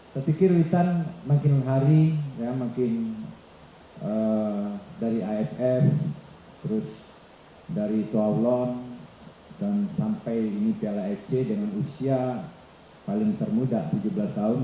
saya pikir witan makin hari ya makin dari afr terus dari tuawlon dan sampai ini pla fc dengan usia paling termuda tujuh belas tahun